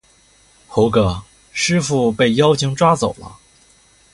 猴哥，师父被妖精抓走了